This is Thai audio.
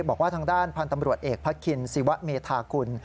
บอกว่าทางด้านพันธ์ตำรวจเอกพระคินศิวะเมธากุล